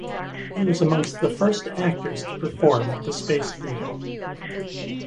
He was amongst the first actors to perform at the Space Theatre.